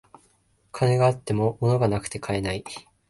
金があっても物がなくて買えない